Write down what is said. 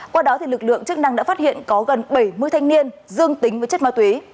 qua đó lực lượng chức năng đã phát hiện có gần bảy mươi thanh niên dương tính với chất ma túy